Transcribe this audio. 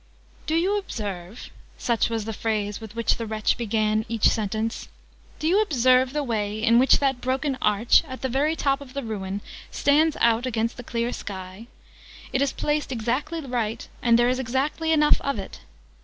"Do you observe?" (such was the phrase with which the wretch began each sentence) "Do you observe the way in which that broken arch, at the very top of the ruin, stands out against the clear sky? It is placed exactly right: and there is exactly enough of it.